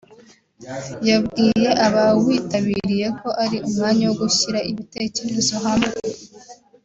yabwiye abawitabiriye ko ari umwanya wo gushyira ibitekerezo hamwe